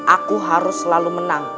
aku harus selalu menang